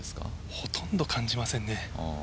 ほとんど感じませんね。